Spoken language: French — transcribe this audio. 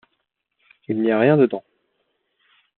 Il n’y a rien dedans.